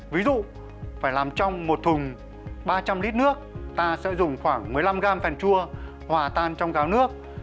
ví dụ phải làm trong một thùng ba trăm linh lít nước ta sẽ dùng khoảng một mươi năm gram phèn chua hòa tan trong gáo nước